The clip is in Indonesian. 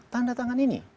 tanda tangan ini